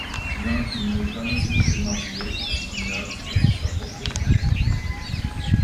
Bien qu'ils n'aient jamais été mariés, le cinéaste la laissa porter son nom.